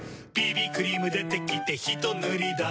「ＢＢクリーム出てきてひとぬりだ」